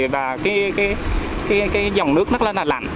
và dòng nước rất là lạnh